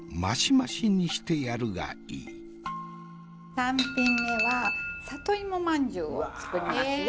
三品目は里芋まんじゅうを作りますよ。